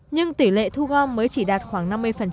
nhưng tỷ lệ thu gom mới chỉ đạt khoảng năm mươi